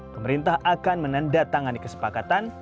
pemerintah akan menandatangani kesepakatan